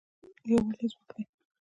یووالی ځواک دی